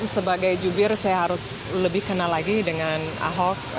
sebagai jubir saya harus lebih kenal lagi dengan ahok